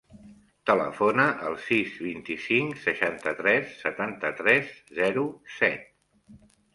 Telefona al sis, vint-i-cinc, seixanta-tres, setanta-tres, zero, set.